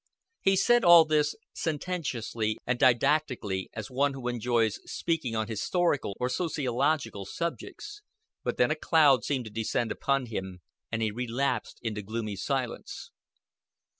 He said all this sententiously and didactically, as one who enjoys speaking on historical or sociological subjects; but then a cloud seemed to descend upon him, and he relapsed into gloomy silence.